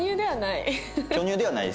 巨乳ではない。